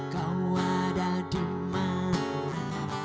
kau ada dimana